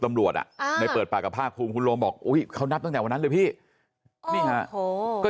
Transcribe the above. สำรวจในเปิดปรากฏภาคคุณโรมบอกเขานับตั้งแต่วันนั้นเลยพี่ก็